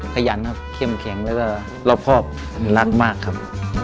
ขยันครับเข้มแข็งแล้วก็รอบครอบรักมากครับ